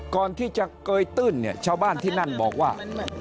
ก่อนที่จะเกยตื้นเนี่ยชาวบ้านที่นั่นบอกว่า